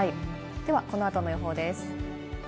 では、この後の予報です。